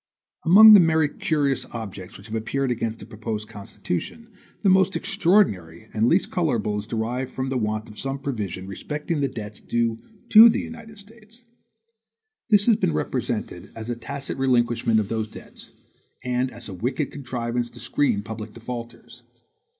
Among the many curious objections which have appeared against the proposed Constitution, the most extraordinary and the least colorable is derived from the want of some provision respecting the debts due to the United States. This has been represented as a tacit relinquishment of those debts, and as a wicked contrivance to screen public defaulters.